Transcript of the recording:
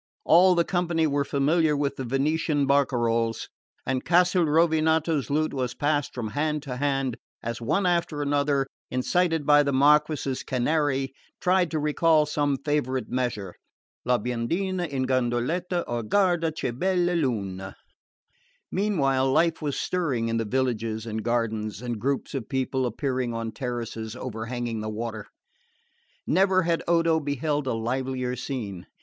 All the company were familiar with the Venetian bacaroles, and Castelrovinato's lute was passed from hand to hand, as one after another, incited by the Marquess's Canary, tried to recall some favourite measure "La biondina in gondoleta" or "Guarda, che bella luna." Meanwhile life was stirring in the villages and gardens, and groups of people appearing on the terraces overhanging the water. Never had Odo beheld a livelier scene.